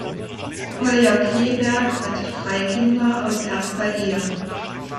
Kolja Kleeberg hat drei Kinder aus erster Ehe.